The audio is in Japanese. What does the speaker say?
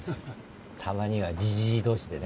たまにはジジイ同士でね。